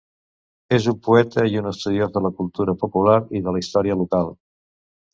És un poeta i un estudiós de la cultura popular i de la història local.